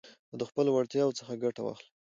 او د خپلو وړتياوو څخه ګټه واخلٸ.